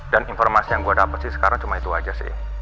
dan informasi yang gue dapet sih sekarang cuma itu aja sih